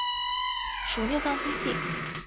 属六方晶系。